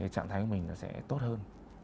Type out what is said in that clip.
trạng thái mình sẽ tốt hơn